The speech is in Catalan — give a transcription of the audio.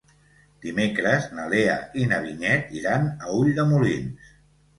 Dimecres na Lea i na Vinyet iran a Ulldemolins.